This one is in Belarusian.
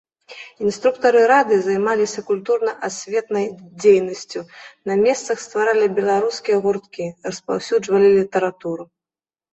Інструктары рады займаліся культурна-асветнай дзейнасцю на месцах, стваралі беларускія гурткі, распаўсюджвалі літаратуру.